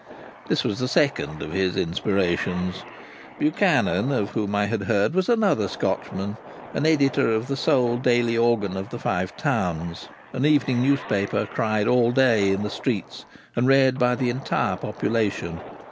This was the second of his inspirations. Buchanan, of whom I had heard, was another Scotchman and the editor of the sole daily organ of the Five Towns, an evening newspaper cried all day in the streets and read by the entire population.